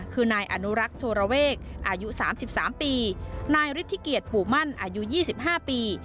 คือนายอนุรักษ์โจรเวกอายุสามสิบสามปีนายฤทธิเกียรติปู่มั่นอายุยี่สิบห้าปี